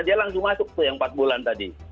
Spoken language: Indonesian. dia langsung masuk tuh yang empat bulan tadi